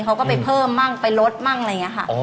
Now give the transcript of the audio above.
เขาก็ไปเพิ่มมั่งไปลดมั่งอะไรอย่างนี้ค่ะ